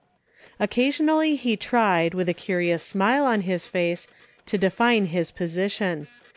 Occa sionally he tried, with a curious smile on his face, to define his position.